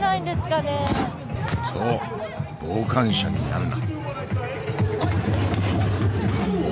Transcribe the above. そう「傍観者になるな」。